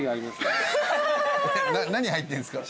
何入ってんすか？